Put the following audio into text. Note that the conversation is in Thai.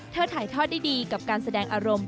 ถ่ายทอดได้ดีกับการแสดงอารมณ์